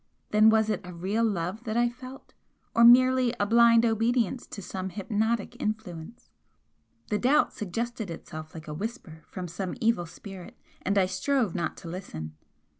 Then was it a real love that I felt, or merely a blind obedience to some hypnotic influence? The doubt suggested itself like a whisper from some evil spirit, and I strove not to listen.